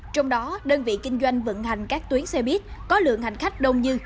trong đó đơn vị kinh doanh vận hành các tuyến xe buýt có lượng hành khách đông như